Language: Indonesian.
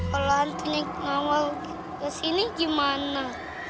kalau nanti nih ngawal kesini gimana